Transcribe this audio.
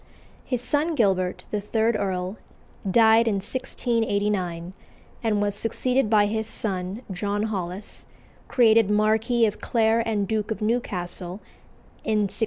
His son Gilbert, the third Earl, died in 1689, and was succeeded by his son, John Holles, created Marquis of Clare and Duke of Newcastle in 1694.